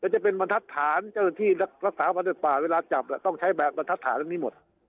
จะเป็นบรรทัศน์ที่รักษาประเทศป่าเวลาจับต้องใช้แบบบรรทัศน์ทั้งนี้หมด